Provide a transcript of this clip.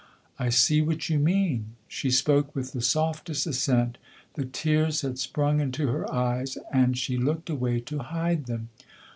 " I see what you mean." She spoke with the softest assent ; the tears had sprung into her eyes and she looked away to hide them.